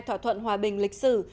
thỏa thuận hòa bình lịch sử